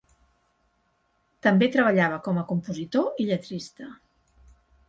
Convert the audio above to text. També treballava com a compositor i lletrista.